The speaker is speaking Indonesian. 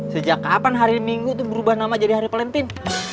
sejak kapan hari minggu itu berubah nama jadi hari pelempin